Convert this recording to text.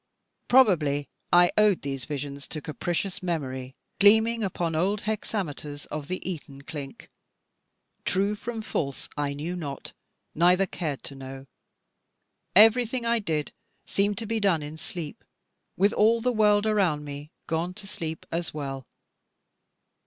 Probably I owed these visions to capricious memory, gleaming upon old hexameters of the Eton clink. True from false I knew not, neither cared to know: everything I did seemed to be done in sleep, with all the world around me gone to sleep as well.